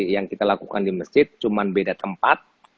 yang kita lakukan di masjid cuma beda tempat